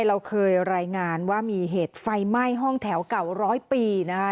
เราเคยรายงานว่ามีเหตุไฟไหม้ห้องแถวเก่าร้อยปีนะคะ